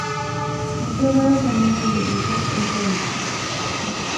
Volteó a ver a su amigo y le dijo, "Eso es.